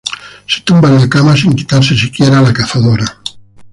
Se tumba en la cama sin quitarse siquiera la cazadora.